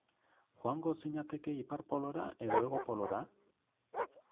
Joango zinateke Ipar Polora edo Hego Polora?